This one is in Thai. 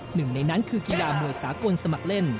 หนึ่งในนั้นคือกีฬามวยสากลสมัครเล่น